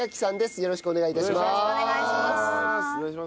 よろしくお願いします。